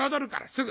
すぐ。